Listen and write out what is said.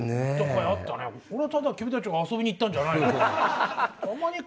これはただ君たちが遊びに行ったんじゃないね。